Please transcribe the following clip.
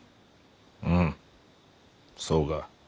うんそうが。